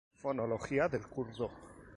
Fonología del kurdo